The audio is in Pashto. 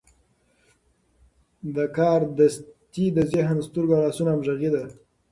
کاردستي د ذهن، سترګو او لاسونو همغږي ده.